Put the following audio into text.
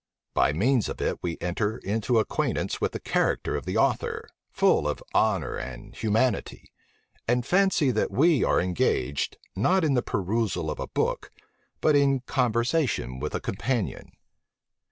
By means of it we enter into acquaintance with the character of the author, full of honor and humanity; and fancy that we are engaged, not in the perusal of a book, but in conversation with a companion.